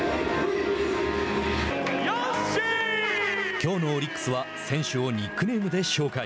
きょうのオリックスは選手をニックネームで紹介。